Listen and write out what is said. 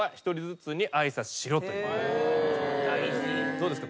どうですか？